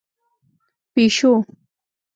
🐈 پېشو